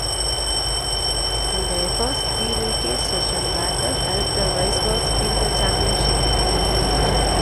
In their first D-League season, Baker helped the Wizards win the championship.